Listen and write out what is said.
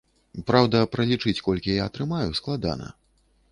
Праўда, пралічыць, колькі я атрымаю, складана.